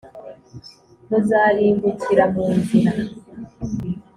Muzarimbukira mu nzira.